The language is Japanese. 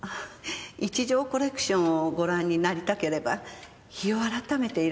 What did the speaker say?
一条コレクションをご覧になりたければ日を改めていらして。